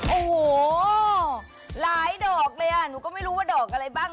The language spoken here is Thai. โอ้โหหลายดอกเลยอ่ะหนูก็ไม่รู้ว่าดอกอะไรบ้าง